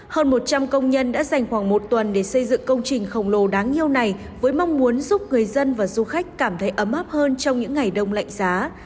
hơn một trăm linh công nhân đã dành khoảng một tuần để xây dựng công trình khổng lồ đáng yêu này với mong muốn giúp người dân và du khách cảm thấy ấm áp hơn trong những ngày đông lạnh giá